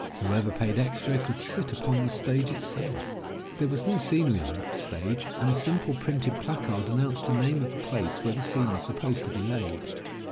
Whoever paid extra could sit upon the stage itself. There was no scenery on that stage and a simple printed placard announced the name of the place where the scene was sup posed to be laid.